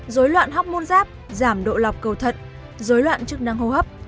dối loạn hóc môn giáp giảm độ lọc cầu thận dối loạn chức năng hô hấp